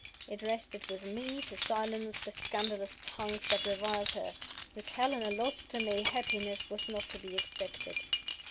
It rested with me to silence the scandalous tongues that reviled her. With Helena lost to me, happiness was not to be expected.